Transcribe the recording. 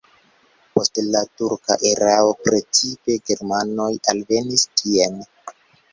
Post la turka erao precipe germanoj alvenis tien.